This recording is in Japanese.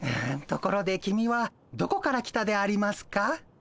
ところで君はどこから来たでありますか？